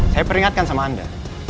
saya peringatkan sama anda